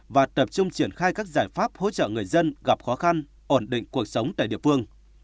và tập trung triển khai các giải pháp hỗ trợ người dân gặp khó khăn ổn định cuộc sống tại địa phương